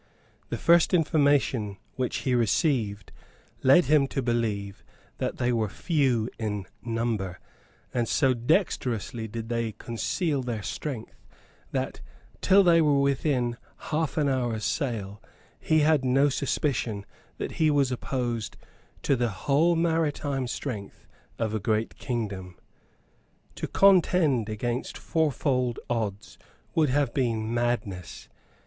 The first information which he received led him to believe that they were few in number; and so dexterously did they conceal their strength that, till they were within half an hour's sail, he had no suspicion that he was opposed to the whole maritime strength of a great kingdom. To contend against fourfold odds would have been madness.